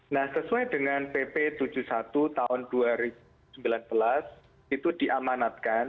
nah sesuai dengan pp tujuh puluh satu tahun dua ribu sembilan belas itu diamanatkan